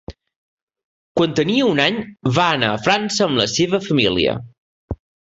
Quan tenia un any, va anar a França amb la seva família.